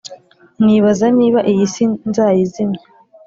Nibaza niba iyi si nzayizimya